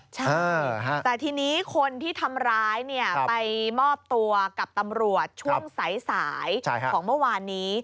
ใช่แต่ทีนี้คนที่ทำร้ายเนี่ยไปมอบตัวกับตำรวจช่วงสายของเมื่อวานนี้